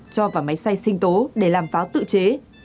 cho vào máy xay sinh tố để làm pháo tự chế